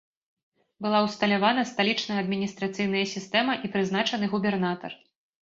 Была ўсталявана сталічная адміністрацыйная сістэма і прызначаны губернатар.